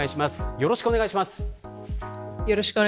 よろしくお願いします。